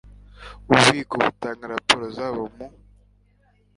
bubiko Batanga raporo zabo mu